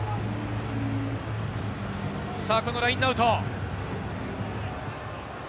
このラインアウト。